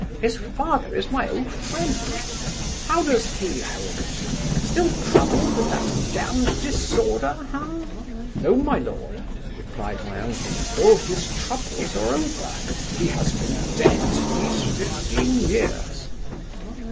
His father is my old friend How does he hold it? Still troubled with that damned disorder, ha?' 'No, my lord (replied my uncle), all his troubles are over He has been dead these fifteen years.